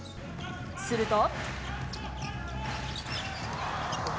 すると。